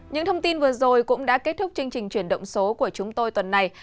những thông tin vừa rồi cũng đã kết thúc chương trình chuyển động số của chúng tôi tuần này